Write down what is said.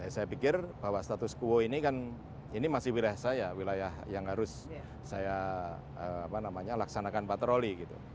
saya pikir bahwa status quo ini kan ini masih wilayah saya wilayah yang harus saya laksanakan patroli